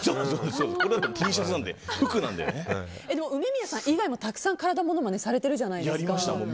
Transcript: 梅宮さん以外もたくさん体モノマネされてるじゃないですか。